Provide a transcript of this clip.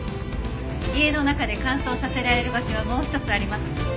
家の中で乾燥させられる場所はもう一つあります。